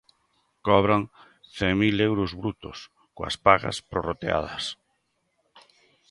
Cobran mil cen euros brutos coas pagas prorrateadas.